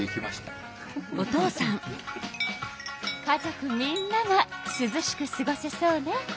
家族みんながすずしくすごせそうね。